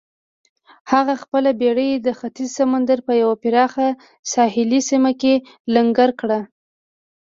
هغه خپله بېړۍ د ختیځ سمندر په یوه پراخه ساحلي سیمه کې لنګر کړه.